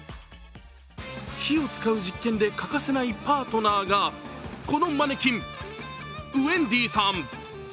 火を使う実験で欠かせないパートナーがこのマネキン、ウェンディさん。